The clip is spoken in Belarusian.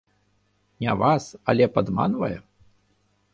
Не вас, але падманвае?